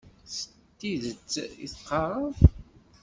D tidet i d-teqqareḍ?